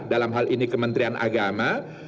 dalam hal ini kementerian agama